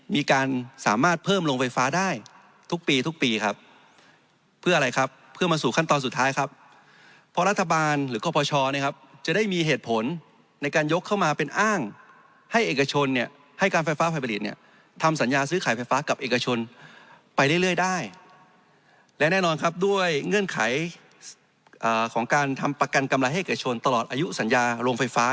มีการสามารถเพิ่มโรงไฟฟ้าได้ทุกปีทุกปีครับเพื่ออะไรครับเพื่อมาสู่ขั้นตอนสุดท้ายครับเพราะรัฐบาลหรือคปชนะครับจะได้มีเหตุผลในการยกเข้ามาเป็นอ้างให้เอกชนเนี่ยให้การไฟฟ้าฝ่ายผลิตเนี่ยทำสัญญาซื้อขายไฟฟ้ากับเอกชนไปเรื่อยได้และแน่นอนครับด้วยเงื่อนไขของการทำประกันกำไรให้แก่ชนตลอดอายุสัญญาโรงไฟฟ้า